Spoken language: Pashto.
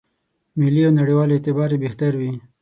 ملي او نړېوال اعتبار یې بهتر وي.